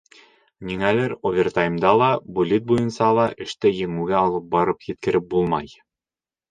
Ниңәлер овертаймда ла, буллит буйынса ла эште еңеүгә алып барып еткереп булмай...